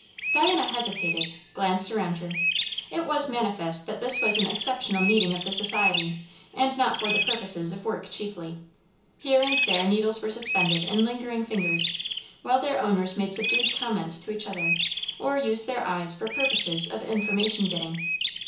Diana hesitated; glanced around her. It was manifest that this was an exceptional meeting of the society, and not for the purposes of work chiefly. Here and there needles were suspended in lingering fingers, while their owners made subdued comments to each other or used their eyes for purposes of information getting.